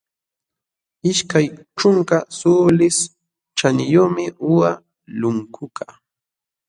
Ishkay ćhunka suulis ćhaniyuqmi uqa lunkukaq.